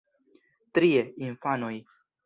Trie, infanoj.